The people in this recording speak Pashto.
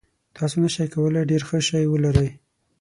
تاسو نشئ کولی ډیر ښه شی ولرئ.